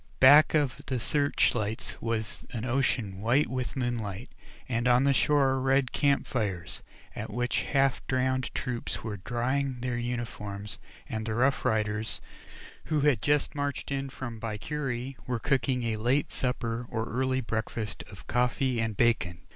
Back of the searchlights was an ocean white with moonlight, and on the shore red camp fires, at which the half drowned troops were drying their uniforms, and the Rough Riders, who had just marched in from Baiquiri, were cooking a late supper, or early breakfast of coffee and bacon.